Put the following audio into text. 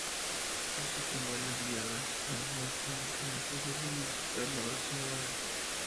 Existen visitas guiadas al fuerte, aunque no es posible visitar la base naval.